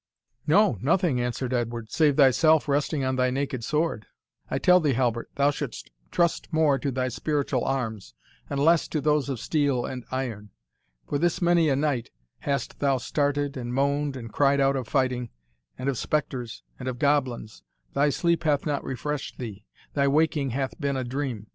"No, nothing," answered Edward, "save thyself resting on thy naked sword. I tell thee, Halbert, thou shouldst trust more to thy spiritual arms, and less to those of steel and iron. For this many a night hast thou started and moaned, and cried out of fighting, and of spectres, and of goblins thy sleep hath not refreshed thee thy waking hath been a dream.